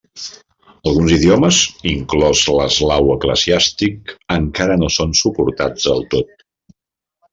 Alguns idiomes, inclòs l'eslau eclesiàstic, encara no són suportats del tot.